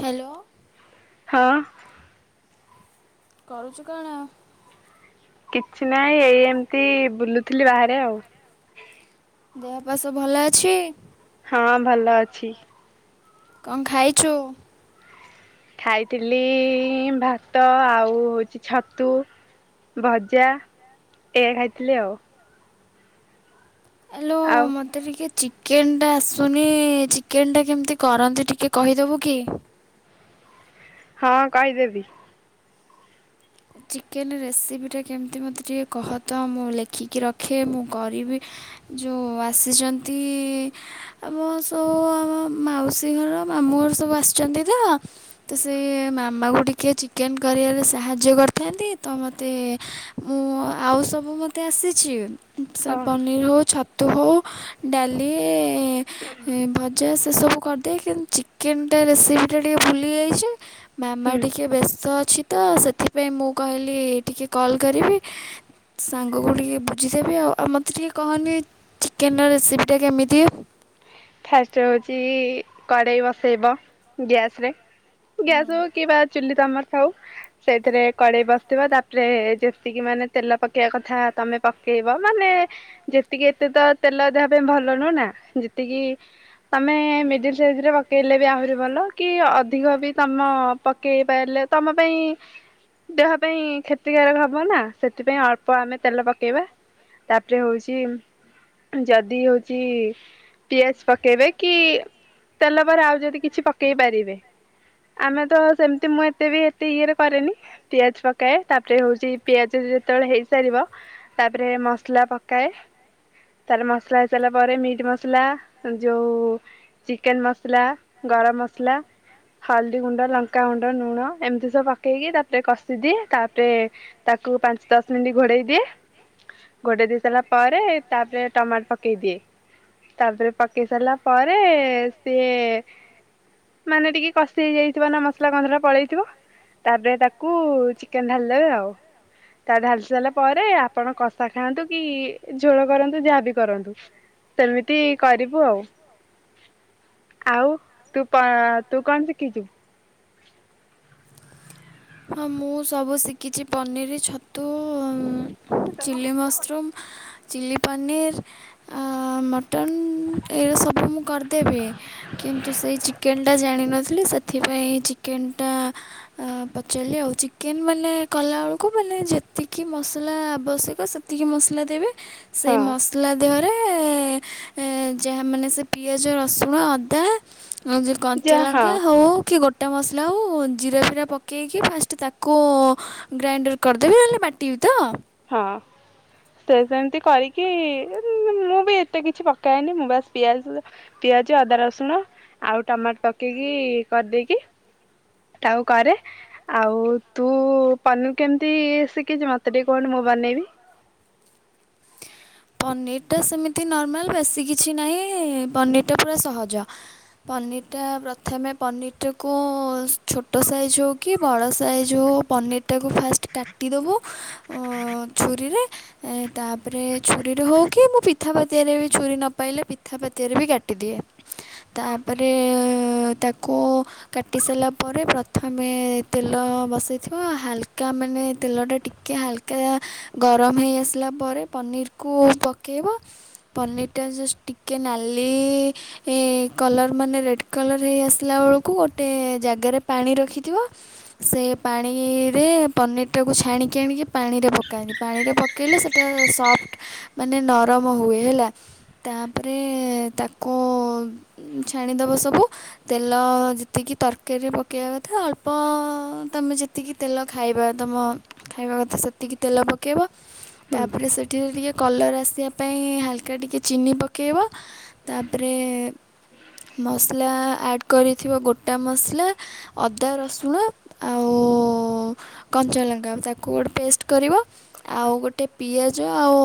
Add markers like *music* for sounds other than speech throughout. Hello ହଁ କରୁଛୁ କଣ? କିଛି ନାହିଁ ଏଇ ଏମିତି ବୁଲୁଥିଲି ବାହାରେ ଆଉ। ଦେହପାସବୁ ଭଲ ଅଛି? ହଁ ଭଲ ଅଛି। କଣ ଖାଇଚୁ? ଖାଇଥିଲି ଭାତ ଆଉ ହଉଚି ଛତୁ ଭଜା ଏଇଆ ଖାଇଥିଲି ଆଉ। ଆଲୋ ଆଉ ମୋତେ ଟିକେ ଚିକେନ୍ ଟା ଆସୁନି ଚିକେନ୍ ଟା କେମିତି କରନ୍ତି ଟିକେ କହିଦେବୁ କି? ହଁ କହିଦେବି। ଚିକେନ ରେସିପିଟା କେମିତି ମୋତେ ଟିକେ କହ ତ ମୁଁ ଲେଖିକି ରଖେ ମୁଁ କରିବି ଯୋଉ ଆସିଚନ୍ତି ଆ ମୋର ସବୁ ଆମ ମାଉସୀ ଘର ମାମୁଁ ଘର ସବୁ ଆସିଚନ୍ତି ତ ତ ସେ ମାମା କୁ ଟିକେ ଚିକେନ କରିବାରେ ସାହାଯ୍ୟ କରି ଥାନ୍ତି ତ ମତେ ମୁଁ ଆଉ ସବୁ ମତେ ଆସିଛି। ସେ ହଁ ପନିର ହଉ ଛାତୁ ହଉ ଡାଲି ଭ ଜା ସେସବୁ କରିଦିଏ କିନ୍ତୁ ଚିକେନ ଟା ରେସିପିଟା ଟିକେ ଭୁଲିଯାଇଚି। ମାମା ହୁଁ। ଟିକେ ବ୍ୟସ୍ତ ଅଛି ତ ସେଥିପାଇଁ ମୁଁ କହିଲି ଟିକଏ କଲ୍ କରିବି ସାଙ୍ଗକୁ ଟିକେ ବୁଝିଦେବି। ଆଉ ଆଉ ମତେ ଟିକେ କହନି ଚିକେନ ର ରେସିପି ଟା କେମିତି? ଫାଷ୍ଟ ହଉଛି କଢେଇ ବସେଇବ ଗ୍ୟାସରେ ଗ୍ୟାସ ହଉ କି ବା ଚୁଲି ତମର ଥାଉ ସେଇଥିରେ କଢେଇ ବସିଥିବ ତାପରେ ଯେତିକି ମାନେ ତେଲ ପକେଇବା କଥା ତମେ ପକେଇବ ମାନେ ଯେତିକି ଏତେ ତ ତେଲ ଦେହ ପାଇଁ ଭଲ ନୁହଁ ନା ଯେତିକି ତମେ ମିଡିଲ୍ ସାଇଜର ପକେଇଲେ ଆହୁରି ଭଲ କି ଅଧିକ ବି ତମ ପ କେଇ ପାରିଲେ ତମ ପାଇଁ ଦେହ ପାଇଁ କ୍ଷତିକାରକ ହବ ନା ସେଥିପାଇଁ ଅଳ୍ପ ଆମେ ତେଲ ପକେଇବା। ତାପରେ ହଉଚି ଯଦି ହଉଚି ପିଆ ପକେଇବେ କି ତେଲ ପରେ ଆଉ ଯଦି କିଛି ପକେଇ ପାରିବେ। ଆମେ ତ ସେମିତି ମୁଁ ଏତେ ବି ଏତେ ଇଏରେ କରେନି। ପିଆଜ ପକାଏ ତାପରେ ହଉଚି ପିଆଜ ଯେତେବେଳେ ହେଇସାରିବ ତାପରେ ମସଲା ପକାଏ ତାର ମସାଲା ହୋଇସାରିଲା ପରେ ମିଟ୍ ମସଲା ଯୋଉ ଚିକେନ ମସଲା ଗରମ ମସଲା ହଳଦୀ ଗୁଣ୍ଡ ଲଙ୍କାଗୁଣ୍ଡ ନୁଣ ଏମିତି ସବୁ ପକେଇକି ତା ପରେ କଷିଦିଏ ତା ପରେ ତାକୁ ପାଞ୍ଚ ଦଶ ମିନିଟ ଘୋଡେଇ ଦିଏ ଘୋଡେଇଦେଇ ସାରିଲା ପରେ ତା ପରେ ଟମାଟ ପକେଇ ଦିଏ। ତାପରେ ପକେଇ ସାରିଲା ପରେ ସିଏ ମାନେ ଟିକେ କଷି ହେଇଯାଇଥିବନା ମସଲା ଗନ୍ଧଟା ପଳେଇ ଥିବ। ତାପରେ ତାକୁ ଚିକେନ ଢାଲିଦେବେ ଆଉ। ତା ଢାଲି ସାରିଲା ପରେ ଆପଣ କଷା ଖାଆନ୍ତୁ କି ଝୋଳ କରନ୍ତୁ ଯାହା ବି କରନ୍ତୁ ସେମିତି କରିବୁ ଆଉ ଆଉ ତୁ ତୁ କଣ ଶିଖିଛୁ? ହଁ ମୁଁ ସବୁ ଶିଖିଛି ପନିର, ଛତୁ, ଚିଲି ମସ୍ରୁମ୍ ଚିଲି ପନିର ଆ ମଟନ୍ ଏରା ସବୁ ମୁଁ କରିଦେବି। କିନ୍ତୁ ସେଇ ଚିକେନଟା ଜାଣିିନଥିଲି ସେଥିପାଇଁ ଚିକେନଟା ଆ ଚାଲି ଆଉ ଚିକେନ୍ ମାନେ କଲାବେଳକୁ ମାନେ ଯେତିକି ମସଲା ଆବଶ୍ୟକ ସେତିକି ମସଲା ଦେବେ ହଁ ସେଇ ମସଲା ଦେ ଲେ ଯାହା ମାନେ ସେ ପିଆଜ, ରସୁଣ, ଅଦା ଯୋଉ କଞ୍ଚା ଯା ହଁ ଲଙ୍କା ହଉ କି ଗୋଟା ମସଲା ହଉ ଜିରା ଫିରା ପ ପକେଇକି ଫାଷ୍ଟ ତାକୁ ଗ୍ରାଇଣ୍ଡର୍ କରିଦେବି ନହେଲେ ବାଟିବି ତ। ହଁ। ତ ସେମିତି କରିକି ମୁଁ ବି ଏତେ କିଛି ପକାଏନି ମୁଁ ବାସ୍ ପିଆଜ ପିଆଜ, ଅଦା, ରସୁଣ ଆଉ ଟମାଟର ପକେଇକି କରିଦେଇକି ତାଉ କରେ। ଆଉ ତୁ ପନିର କେମିତି ସିକିଚୁ ମତେ ଟିକେ କହୁନୁ ମୁଁ ବନେଇବି। ପନିରଟା ସେମିତି ନର୍ମାଲ ବେଶୀ କିଛି ନାହିଁ ପନିରଟା ପୁରା ସହଜ। ପନିରଟା ପ୍ରଥମେ ପନିରଟାକୁ ଛୋଟ ସାଇଜ କି ବଡ଼ ସାଇଜ୍ ହଉ ପନିରଟାକୁ ଫାର୍ଷ୍ଟ କାଟି ଦବୁ। ଉଁ ଛୁରିରେ ତା ପରେ ଛୁରୀରେ ହେଉ କି ମୁଁ ପିଠା ପାତିଆରେ ବି ଛୁରୀ ନ ପାଇଲେ ପିଥା ପାତିଆରେ ବି କାଟିଦିଏ। ତାପରେ ତାକୁ କାଟି ସାରିଲା ପରେ ପ୍ରଥମେ ତେଲ ବସାଇଥିବ ହାଲକା ମାନେ ତେଲଟା ଟିକିଏ ହାଲ କା ଗରମ ହେଇ ଆସିଲା ପରେ ପନିରକୁ ପକାଇବ। ପନିରଟା ଜଷ୍ଟ ଟିକେ ନାଲି ଏ କଲର୍ ମାନେ ରେଡ଼୍ କଲର୍ ହେଇ ଆସିଲା ବେଳକୁ ଗୋଟେ ଜାଗାରେ ପାଣି ରଖିଥିବ ସେ ପାଣିରେ ପନିରଟାକୁ ଛାଣିକି ଆଣିକି ପାଣିରେ ପକାନ୍ତି ପାଣିରେ ପକେଇଲେ ସେ ସଫ୍ଟ ମାନେ ନରମ ହୁଏ ହେଲା। ତାପରେ ତାକୁ ଛାଣିଦବ ସବୁ ତେଲ ଯେତିକି ତରକାରୀରେ ପକେଇବା କଥା ଅଳ୍ପ ତମେ ଯେତିକି ତେଲ ଖାଇବା ତମ ଖାଇବା କଥା ସେତିକି ତେଲ ପକେଇବ ହୁଁ ତା ପରେ ସେଥିରେ ଟିକେ କଲର୍ ଆସିବା ପାଇଁ ହାଲକା ଟିକେ ଚିନି ପକେଇବ। ତାପରେ ମସଲା ଆଡ଼୍ କରିିଥିବ ଗୋଟା ମସଲା ଅଦା, ରସୁଣ ଆଉ କଞ୍ଚଲଙ୍କା ତାକୁ ଗୋଟେ ପେଷ୍ଟ କରିବ ଆଉ ଗୋଟେ ପିଆ ଜ ଆଉ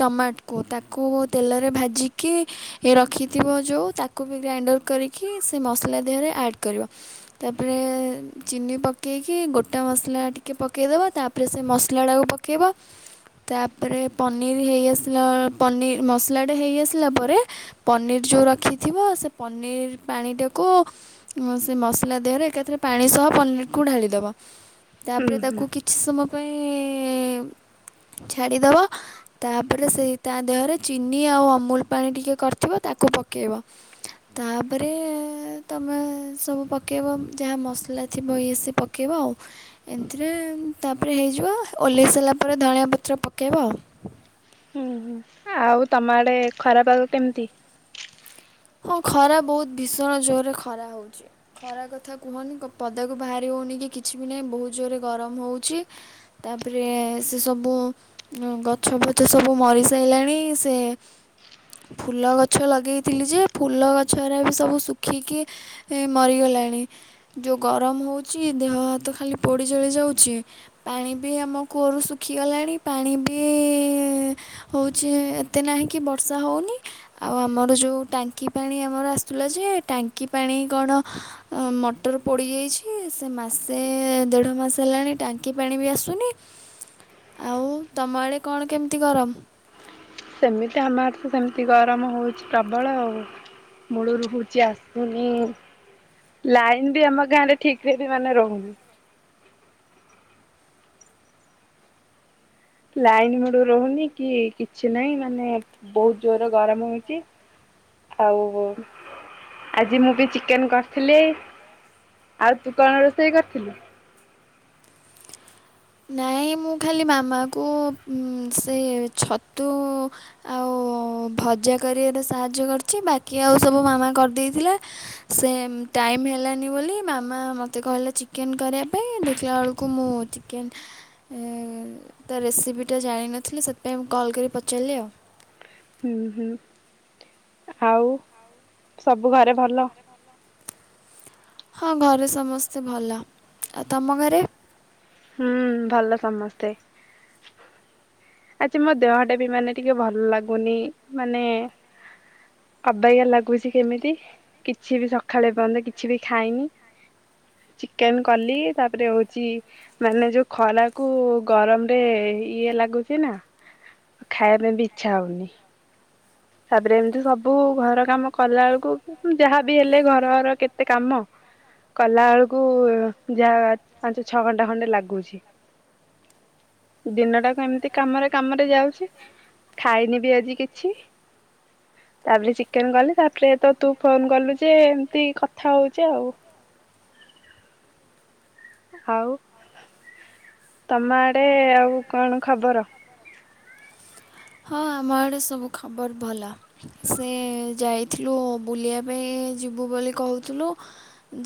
ଟମାଟକୁ ତାକୁ ତେଲରେ ଭାଜିକି ଏ ରଖିଥିବ ଯେଉଁ ତାକୁ ବି ଗ୍ରାଇଣ୍ଡର୍ କରିକି ସେ ମସଲା ଦେହରେ ଆଡ଼୍ କରିବ। ତାପରେ ଚିନି ପକେଇକି ଗୋଟା ମସଲା ଟିକେ ପକାଇଦବା ତାପରେ ସେ ମସଲାଟାକୁ ପକେଇବ। ତାପରେ ପନିର ହେଇ ଆସିଲା ପନିର ମସଲା ଟା ହେଇ ଆସିଲା ପରେ ପନିର୍ ଯୋଉ ରଖିଥିବ ସେ ପନିର ପାଣିଟାକୁ ସେ ମସଲା ଦେହରେ ଏକାଥରେ ପାଣି ସହ ପନିରକୁ ଢାଳିଦବ। ହୁଁ ତାପରେ ହୁଁ ତାକୁ କିଛି ସମୟ ପାଇଁ ଛାଡ଼ିଦେବ। ତାପରେ ସେଇ ତା ଦେହରେ ଚିନି ଆଉ ଅମୁଲ ପାଣି ଟିକେ କରିଥିବ ତାକୁ ପକେଇବ। ତାପରେ ତମେ ସବୁ ପକେଇବ ଯାହା ମସଲା ଥିବ ଇଏ ସିଏ ପ ପକାଇବା ଆଉ ଏମଥିରେ ତାପରେ ହେଇଯିବ ଓହ୍ଲାଇ ସାରିଲା ପରେ ଧନିଆ ପତ୍ର ପକାଇବ ଆଉ। ହୁଁ ହୁଁ ଆଉ ତମ ଆଡ଼େ ଖରା ପାଗ କେମିତି? ହଁ ଖରା ବହୁତ ଭୀଷଣ ଜୋରରେ ଖରା ହଉଛି। ଖରା କଥା କୁହନି ପଦାକୁ ବାହାରି ହଉନି କି କିଛି ବି ନାହିଁ ବହୁତ ଜୋରରେ ଗରମ ହଉଛି। ତାପରେ ସେ ସବୁ ଗଛ ଫଛ ସବୁ ମରି ସାଇଲାଣି ସେ ଫୁଲ ଗଛ ଲଗେଇଥିଲି ଯେ ଫୁଲ ଗଛ ହେରାବି ସବୁ ଶୁଖିକି ମରିଗଲାଣି। ଯୋଉ ଗରମ ହଉଛି ଦେହ ହାତ ଖାଲି ପୋଡ଼ି ଜଳି ଯାଉଛି। ପାଣି ବି ଆମ କୂଅରୁ ଶୁଖିଗଲାଣି ପାଣି ବି ହଉଛି ଏତେ ନାହିଁ କି ବର୍ଷା ହଉନି ଆଉ ଆମର ଯଉ ଟାଙ୍କ ଟାଙ୍କି ପାଣି ଆମର ଆସୁଥିଲା ଯେ ଟାଙ୍କି ପାଣି କଣ ମଟର ପୋଡ଼ିଯାଇଛି ସେ ମାସେ ଦେଢ଼ ମାସ ହେଲାଣି ଟାଙ୍କି ପାଣି ବି ଆସୁନି। ଆଉ ତମ ଆଡେ କଣ କେମତି ଗରମ? ସେମିତି ଆମ ଆଡେ ତ ସେମିତି ଗରମ ହେଉଛି ପ୍ରବଳ ଆଉ। ମୂଳରୁ ହଉଛି ଆସୁନି। ଲାଇନ୍ ବି ଆମ ଗାଁ ରେ ଠିକ୍ ରେ ବି ମାନେ ରହୁନି। ଲାଇନ୍ ମୂଳରୁ ରହୁନି କି କିଛି ନାହିଁ ମାନେ ବହୁତ ଜୋରେ ଗରମ ହଉଛି। ଆଉ ଆଜି ମୁଁ ବି ଚିକେନ୍ କରିଥିଲି। ଆଉ ତୁ କଣ ରୋଷେଇ କରିଥିଲୁ? ନାଇଁ ମୁଁ ଖାଲି ମାମାକୁ ସେ ଛତୁ ଆଉ ଭଜା କରିବାରେ ସାହାଯ୍ୟ କରିଛି ବାକି ଆଉ ସବୁ ମାମା କରିଦେଇଥିଲା। ସେ ଟାଇମ୍ ହେଲାନି ବୋଲି ମାମା ମୋତେ କହିଲା ଚିକେନ୍ କରିବା ପାଇଁ ଦେଖିଲା ବେଳକୁ ମୁଁ ଚି କେନ୍ ତା ରେସିପିଟା ଜାଣିନଥିଲି ସେଥିପାଇଁ ମୁଁ କଲ୍ କରି ପଚାରିଲି ଆଉ। ହୁଁ ହୁଁ ଆଉ ସବୁ ଘରେ ଭଲ? ହଁ ଘରେ ସମସ୍ତେ ଭଲ ଆଉ ତମ ଘରେ? ହୁଁ ଭଲ ସମସ୍ତେ। ଆଜି ମୋ ଦେହ ଟା ବି ମାନେ ଟିକେ ଭଲ ଲାଗୁନି ମାନେ ଅବାଗିଆ ଲାଗୁଛି କେମିତି କିଛି ବି ସକାଳେ ଏପର୍ଯ୍ୟନ୍ତ କିଛି ବି ଖାଇନି। ଚିକେନ୍ କଲି ତାପରେ ହଉଛି ମାନେ ଯୋଉ ଖରାକୁ ଗରମ ରେ ଇଏ ଲାଗୁଛି ନା। ଖାଇବା ପାଇଁ ବି ଇଚ୍ଛା ହଉନି। ତାପରେ ଏମିତି ସବୁ ଘର କାମ କଲା ବେଳକୁ ଯାହାବି ହେଲେ ଘର ଘର କେତେ କାମ। କଲା ବେଳକୁ ଯାହା ପାଞ୍ଚ ଛଅ ଘଣ୍ଟା ଖଣ୍ଡେ ଲାଗୁଛି। ଦିନଟାକ ଏମିତି କାମରେ କାମରେ ଯାଉଛି। ଖାଇନି ବି ଆଜି କିଛି। ତାପରେ ଚିକେନ୍ କଲି ତାପରେ ତ ତୁ ଫୋନ କଲୁ ଯେ ଏମିତି କଥା ହଉଚେ ଆଉ। ଆଉ ତମ ଆଡ଼େ ଆଉ କଣ ଖବର? ହଁ ଆମ ଆଡେ ସବୁ ଖବର ଭଲ। ସେ ଯାଇଥିଲୁ ବୁଲିବା ପାଇଁ ଯିବୁ ବୋଲି କହୁଥିଲୁ।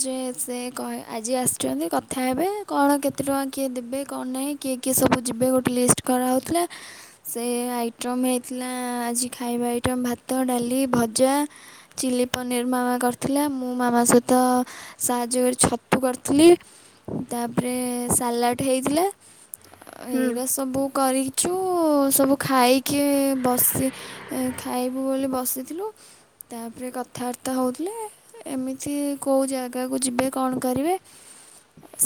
ଯେ ସେ କ ଆଜି ଆସିଛନ୍ତି କଥା ହେବେ କଣ କେତେ ଟଙ୍କା କିଏ ଦେବେ କଣ ନାହିଁ। କିଏ କିଏ ସବୁ ଯିବେ ଗୋଟେ ଲିଷ୍ଟ କରାହେଉଥିଲା ସେ ଆଇଟମ୍ ହେଇଥିଲା ଆଜି ଖାଇବା ଆଇଟମ୍ ଭାତ ଡାଲି ଭଜା। ଚିଲ୍ଲି ପନିର୍ ମାମା କରିଥିଲା ମୁଁ ମାମା ସହିତ ସାହାଯ୍ୟ କରି ଛତୁ କରିଥିଲି ତାପରେ ସାଲାଟ୍ ହେଇଥିଲା। ହୁଁ ଏଇରା ସବୁ କରିଚୁ ସବୁ ଖାଇ କି ବସି ଖାଇବୁ ବୋଲି ବସିଥିଲୁ। ତାପରେ କଥାବାର୍ତ୍ତା ହଉଥିଲେ। ଏମିତି କୋଉ ଜାଗାକୁ ଯିବେ କଣ କରିବେ?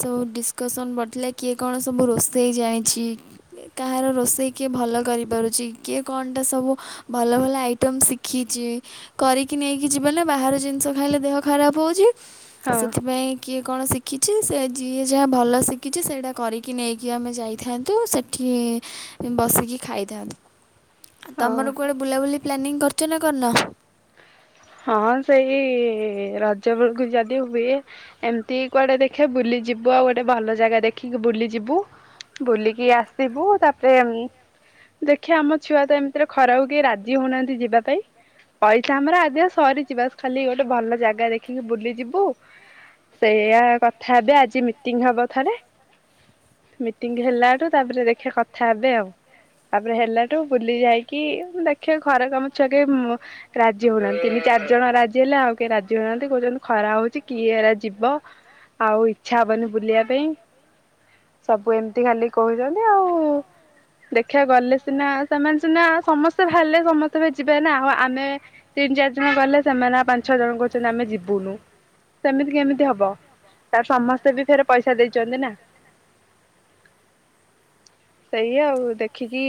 ସବୁ ଡିସ୍କସନ୍ ବଡିଥିଲା କିଏ କଣ ସବୁ ରୋଷେଇ ଜାଣିଚି। କାହାର ରୋଷେଇ କିଏ ଭଲ କରିପାରୁଚି। କିଏ କଣଟା ସବୁ ଭଲ ଭଲ ଆଇଟମ୍ ଶିଖିଚି। କରିକି ନେଇକି ଯିବେନା ବାହାର ଜିନିଷ ଖାଇଲେ ଦେହ ଖରାପ ହଉଛି ହଁ ସେଥିପାଇଁ କିଏ କଣ ଶିଖିଛି ସେ ଯିଏ ଯାହା ଭଲ ଶିଖିଛି ସେଇଟା କରିକି ନେଇକି ଆମେ ଯାଇଥାନ୍ତୁ ସେ ଠିଏ ବସିକି ଖାଇଥାନ୍ତୁ। ଓ ତମେମାନେ କୁଆଡ଼େ ବୁଲାବୁଲି ପ୍ଲାନିଂ କରିଛ ନା କରିନ? ହଁ ସେଇ ରଜ ବେଳକୁ ଯଦି ହୁଏ ଏମିତି କୁଆଡ଼େ ଦେଖେ ବୁଲିଯିବୁ ଆଉ ଗୋଟେ ଭଲ ଜାଗା ଦେଖିକି ବୁଲିଯିବୁ। ବୁଲିକି ଆସିବୁ ତାପରେ ଉଁ ଦେଖିଆ ଆମ ଛୁଆ ତ ଏମିତିରେ ଖରାକୁ କେହି ରାଜି ହଉ ନାହାନ୍ତି ଯିବା ପାଇଁ ପଇସା ଆମର ଆଦାୟ ସରିଚି ବାସ୍ ଖାଲି ଗୋଟେ ଭଲ ଜାଗା ଦେଖିକି ବୁଲି ଯିବୁ। ସେଇଆା କଥା ହେବେ ଆଜି ମିଟିଂ ହବ ଥରେ ମିଟିଙ୍ଗ୍ ହେଲାଠୁ ତାପରେ ଦେଖିବା କଥା ହେବେ ଆଉ। ତାପରେ ହେଲାଠୁ ବୁଲି ଯାଇକି ଦେଖିଆ ଘର କାମ ଛାଡି ମୁଁ ରାଜି ହଉ ନାହାନ୍ତି। ଚାରି ଜଣ ରାଜି ହେଲେ ଆଉ କିଏ ରାଜି ହଉ ନାହାନ୍ତି କହୁଛନ୍ତି ଖରା ହଉଛି କିଏ ଏରା ଯିବ। ଆଉ ଇଚ୍ଛା ହବନି ବୁଲିବା ପାଇଁ। ସବୁ ଏମିତି ଖାଲି କହୁଛନ୍ତି ଆଉ ଦେଖିବା ଗଲେ ସିନା ସେମାନେ ସିନା ସମସ୍ତେ ବାହାଲେ ସମସ୍ତେ ବି ଯିବେ ନା ଆଉ ଆମେ ତିନି ଚାରି ଜଣ ଗଲେ ସେମାନେ ଆଉ ପାଞ୍ଚ ଛଅ ଜଣ କହୁଛନ୍ତି ଆମେ ଯିବୁନୁ। ସେମିତି କେମିତି ହବ ତାର ସମସ୍ତେ ବି ଫେର ପଇସା ଦେଇଛନ୍ତି ନା। *unintelligible* ସେଇଆ ଆଉ ଦେଖିକି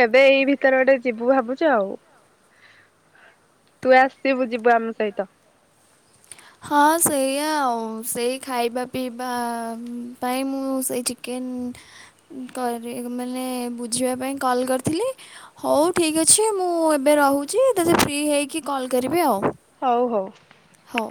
କେବେ ଏଇ ଭିତରେ ଗୋଟେ ଯିବୁ ଭାବୁଛୁ ଆଉ। ତୁ ଆସିବୁ ଯିବୁ ଆମ ସହିତ। ହଁ ସେଇଆା ଆଉ ସେଇ ଖାଇବା ପିଇବା ପାଇଁ ମୁଁ ସେଇ ଚିକେନ୍ କରେ ମାନେ ବୁଝିବା ପାଇଁ କଲ୍ କରିଥିଲି ହଉ ଠିକ୍ ଅଛି ମୁଁ ଏବେ ରହୁଛି ତୋତେ ଫ୍ରି ହେଇକି କଲ୍ କରିବି ଆଉ। ହଉ ହଉ। ହଉ।